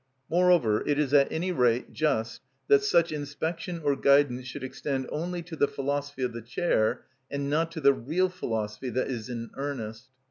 Moreover, it is at any rate just that such inspection or guidance should extend only to the philosophy of the chair, and not to the real philosophy that is in earnest.